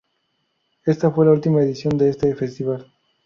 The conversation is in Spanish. Esta fue la última edición de este festival.